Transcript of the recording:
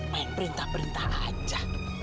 main perintah perintah aja